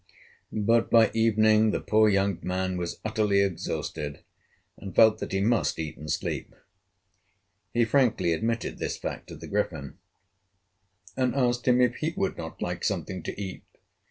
But by evening the poor young man was utterly exhausted, and felt that he must eat and sleep. He frankly admitted this fact to the Griffin, and asked him if he would not like something to eat.